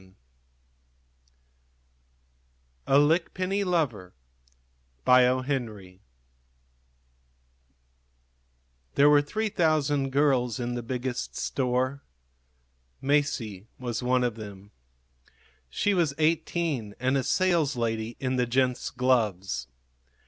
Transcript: III A LICKPENNY LOVER There, were 3,000 girls in the Biggest Store. Masie was one of them. She was eighteen and a saleslady in the gents' gloves.